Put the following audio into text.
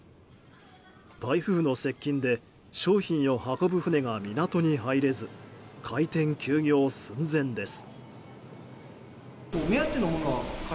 台風の接近で商品を運ぶ船が港に入れず開店休業寸前です。